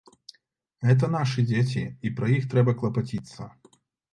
Гэта нашы дзеці, і пра іх трэба клапаціцца.